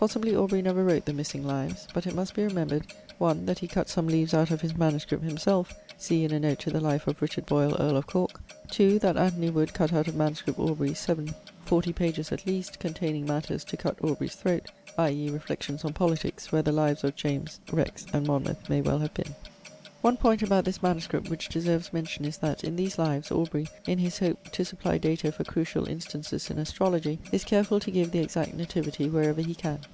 Possibly Aubrey never wrote the missing lives; but it must be remembered (1) that he cut some leaves out of his MS. himself (see in a note to the life of Richard Boyle, earl of Cork); (2) that Anthony Wood cut out of MS. Aubr. 7 forty pages at least, containing matters 'to cut Aubrey's throat,' i.e. reflections on politics, where the lives of James R. and Monmouth may well have been. One point about this MS. which deserves mention is that, in these lives, Aubrey, in his hope to supply data for crucial instances in astrology, is careful to give the exact nativity wherever he can.